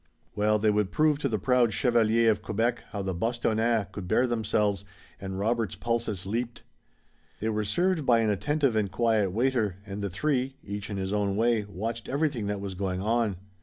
Well, they would prove to the proud chevaliers of Quebec how the Bostonnais could bear themselves, and Robert's pulses leaped. They were served by an attentive and quiet waiter, and the three, each in his own way, watched everything that was going on.